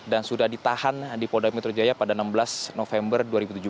dan sudah ditahan di polda mitra jaya pada enam belas november dua ribu tujuh belas